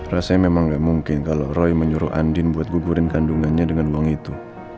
rasanya memang nggak mungkin kalau roy menyuruh andin buat gugurin kandungannya dengan uang itu